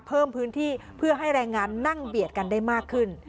เพิ่มพื้นที่เพื่อให้แรงงานนั่งเบียดกันได้มากขึ้น